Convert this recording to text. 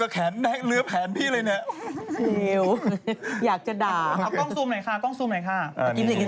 โอ้ท่านชื่อนี้ตรงเนี้ยต้องดีจัก